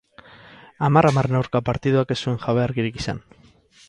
Hamar hamarren aurka partiduak ez zuen jabe argirik izan.